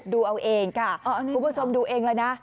ดูเอาเองค่ะคุณผู้ชมดูเองเลยนะ